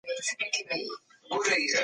که موږ په رښتیا پوه سو نو څوک مو نه غولوي.